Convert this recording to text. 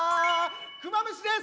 クマムシです！